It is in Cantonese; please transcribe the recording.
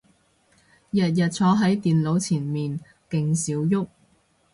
日日坐係電腦前面勁少郁